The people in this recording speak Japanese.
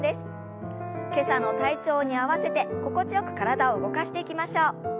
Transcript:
今朝の体調に合わせて心地よく体を動かしていきましょう。